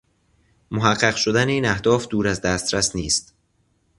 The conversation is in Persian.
محقق شدن این اهداف دور از دسترس نیست